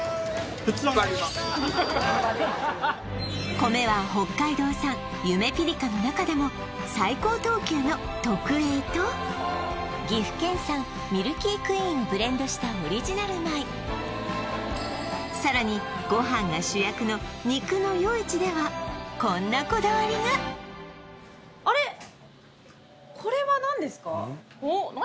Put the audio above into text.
米は北海道産ゆめぴりかの中でも最高等級の特Ａと岐阜県産ミルキークイーンをブレンドしたオリジナル米さらにご飯が主役の肉のよいちではこんなこだわりがあっ何